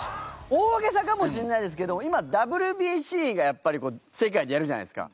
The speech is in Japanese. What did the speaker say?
大げさかもしれないですけど今ＷＢＣがやっぱりこう世界でやるじゃないですか。